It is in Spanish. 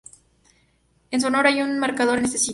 En su honor hay un marcador en este sitio.